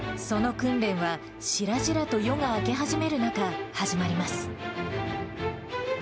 その訓練は、しらじらと夜が明け始める中、始まります。